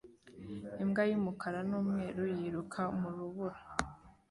Imbwa y'umukara n'umweru yiruka mu rubura